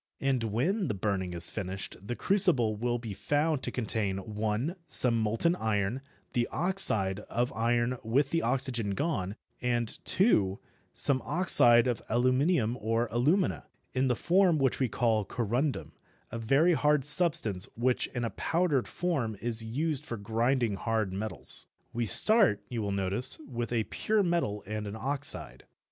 And when the burning is finished the crucible will be found to contain (1) some molten iron, the oxide of iron with the oxygen gone, and (2) some oxide of aluminium or alumina, in the form which we call corundum, a very hard substance which in a powdered form is used for grinding hard metals. We start, you will notice, with a pure metal and an oxide.